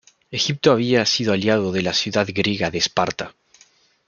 Egipto había sido aliado de la ciudad griega de Esparta.